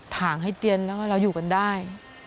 ถังให้เตียนแล้วก็เราอยู่กันได้